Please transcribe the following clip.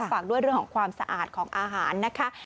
ฝากด้วยเรื่องของความสะอาดของอาหารนะคะ